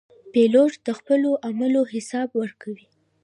پیلوټ د خپلو عملو حساب ورکوي.